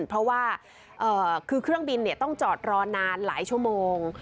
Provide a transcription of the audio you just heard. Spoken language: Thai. เพราะว่าคือเครื่องบินต้องจอดรอนานหลายชั่วโมง